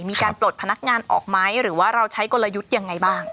มีการปลดพนักงานออกไหมหรือว่าเราใช้กลยุทธ์ยังไงบ้าง